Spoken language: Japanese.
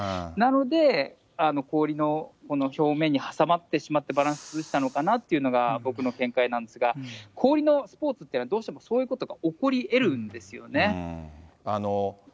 なので、氷のこの表面に挟まってしまってバランス崩したのかなというのが、僕の見解なんですが、氷のスポーツって、どうしてもそういうことが起こりえるんですよね。